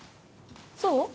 そう？